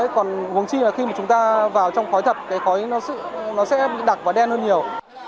còn uống chi là khi mà chúng ta vào trong khói thật cái khói nó sẽ bị đặc và đen hơn nhiều